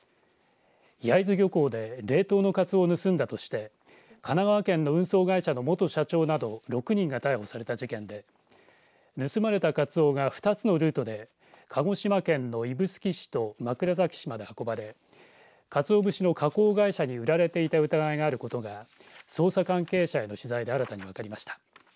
焼津漁港で冷凍のカツオを盗んだとして神奈川県の運送会社の元社長など６人が逮捕された事件で盗まれたカツオが２つのルートで鹿児島県の指宿市と枕崎市まで運ばれかつお節の加工会社に売られていた疑いがあることが捜査関係者への取材で新たに分かりました。